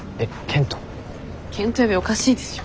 賢人呼びおかしいでしょ。